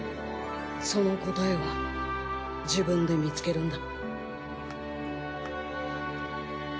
その答えは自分で見つけるんだ。